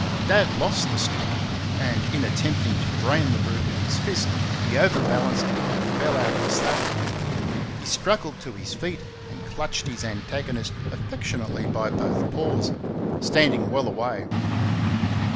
Dad lost the stick, and in attempting to brain the brute with his fist he overbalanced and fell out of the saddle. He struggled to his feet, and clutched his antagonist affectionately by both paws standing well away.